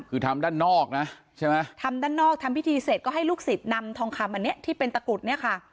คือทำด้านนอกนะใช่ไหมทำด้านนอกทำพิธีเสร็จก็ให้ลูกศิษย์นำทองคำอันนี้ที่เป็นตะกรุดเนี่ยค่ะ